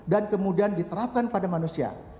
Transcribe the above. kemudian diterapkan pada manusia